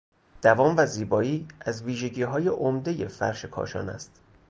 دوام و زیبایی از ویژگیهای عمدهی فرش کاشان است.